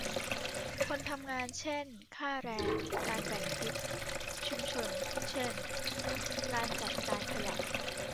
คนทำงานเช่น ค่าแรง การแบ่งทิป ชุมชนเช่น การจัดการขยะ